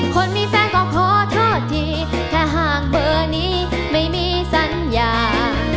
คนมีแฟนก็ขอโทษทีแค่ห่างเมื่อนี้ไม่มีสัญญา